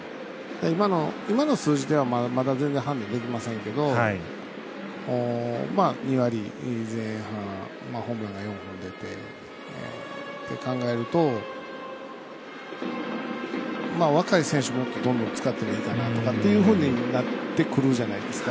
今の数字ではまだ全然、判断できませんけど２割前半、ホームランが４本出てって考えると若い選手もどんどん使ってもいいかなというふうになってくるんじゃないですか。